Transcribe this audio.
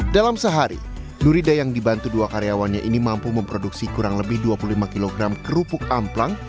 dalam sehari nurida yang dibantu dua karyawannya ini mampu memproduksi kurang lebih dua puluh lima kg kerupuk amplang